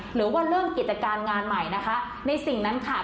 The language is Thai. หรือว่าเรื่องกิจการงานใหม่นะคะในสิ่งนั้นค่ะ